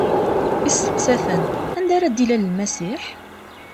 Isteqsa-ten: Anda ara d-ilal Lmasiḥ?